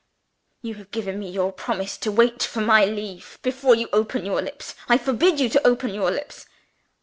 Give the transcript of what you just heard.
"You have given me your promise to wait for my leave before you open your lips. I forbid you to open your lips."